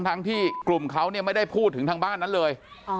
ทั้งที่กลุ่มเขาเนี่ยไม่ได้พูดถึงทางบ้านนั้นเลย